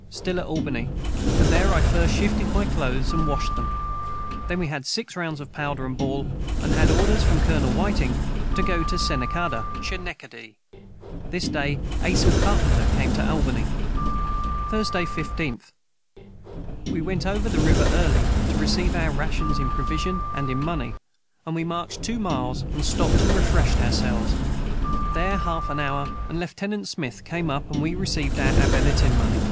Stil at Albany and their I first shifted my clothes and washed them then we had 6 rounds of powder & ball & had orders from Colonel Whiting to go to Senakada this day Asel Carpenter came to Albany. [Footnote 11: Schenectady.] Thursday 15th. We went over the River Early to receive our rations in provision and in money and we marched 2 Miles and stoped and refreshed ourselves their half an hour and Lieut. Smith came up and we received our Abilitan money.